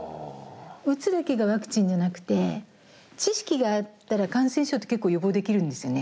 打つだけがワクチンじゃなくて知識があったら感染症って結構予防できるんですよね。